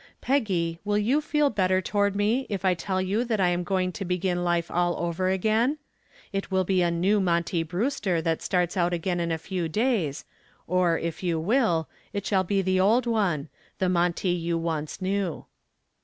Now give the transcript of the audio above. Peggy, will you feel better toward me if I tell you that I am going to begin life all over again? It will be a new Monty Brewster that starts out again in a few days, or, if you will, it shall be the old one the Monty you once knew."